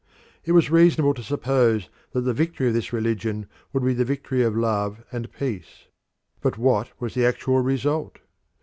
It was reasonable to suppose that the victory of this religion would be the victory of love and peace. But what was the actual result?